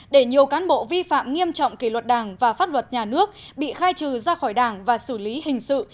để nhiều cán bộ vi phạm nghiêm trọng kỷ luật đảng và pháp luật nhà nước bị khai trừ ra khỏi đảng và xử lý hình sự